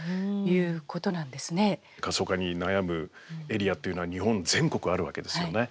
過疎化に悩むエリアというのは日本全国あるわけですよね。